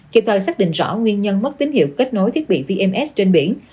kịp thời xác định rõ nguyên nhân mất tín hiệu kết nối thiết bị vms trên biển